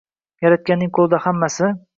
Yaratganning qo‘lida hammasi.